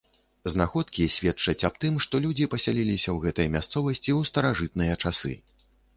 Знаходкі сведчаць аб тым, што людзі пасяліліся ў гэтай мясцовасці ў старажытныя часы.